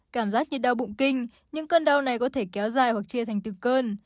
cảm giác như đau bụng kinh những cơn đau này có thể kéo dài hoặc chia thành từng cơn